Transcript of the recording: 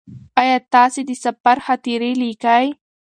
ایا تاسې د سفر خاطرې لیکئ؟